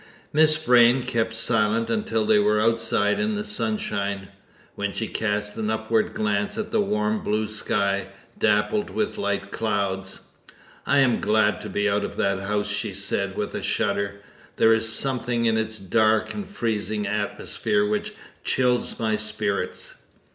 Miss Vrain kept silence until they were outside in the sunshine, when she cast an upward glance at the warm blue sky, dappled with light clouds. "I am glad to be out of that house," she said, with a shudder. "There is something in its dark and freezing atmosphere which chills my spirits."